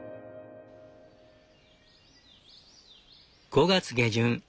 ５月下旬。